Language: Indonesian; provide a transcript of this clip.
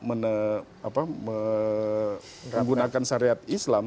menggunakan syariat islam